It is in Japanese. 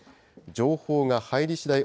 情報が入りしだい